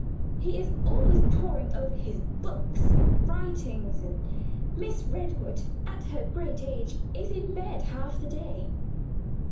He is always poring over his books and writings; and Miss Redwood, at her great age, is in bed half the day.